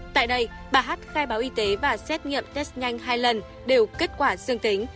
tại đây bà hát khai báo y tế và xét nghiệm test nhanh hai lần đều kết quả dương tính